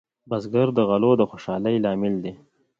بزګر د غلو د خوشحالۍ لامل دی